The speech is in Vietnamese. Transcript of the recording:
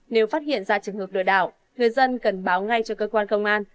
nếu phát hiện ra trường hợp lừa đảo người dân cần báo ngay cho cơ quan công an